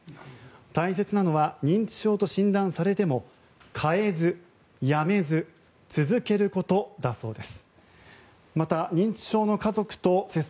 大切なのは認知症と診断されても変えず、やめず続けることだそうです。